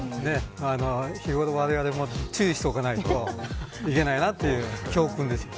日頃われわれも注意しておかないといけないなと教訓ですよね。